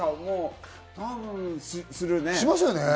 多分するね。